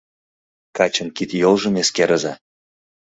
Качын кид-йолжым эскерыза!